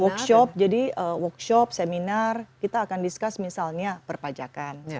workshop jadi workshop seminar kita akan discuss misalnya perpajakan